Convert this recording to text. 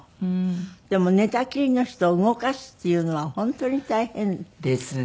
でも寝たきりの人を動かすっていうのは本当に大変？ですね。